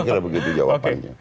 saya kira begitu jawabannya